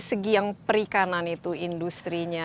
segi yang perikanan itu indonesia